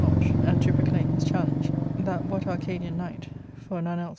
Sook L 7^ lodge, and to proclaim his challenge, that what Arcadian knight— for none else b.